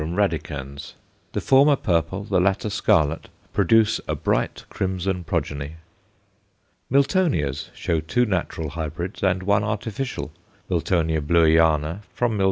radicans_; the former purple, the latter scarlet, produce ×a bright crimson progeny. Miltonias show two natural hybrids, and one artificial Mil. Bleuiana from _Mil.